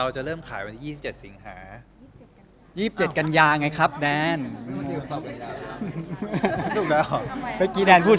เจอเรื่องบางอย่างดีกว่าบางแล้วครับ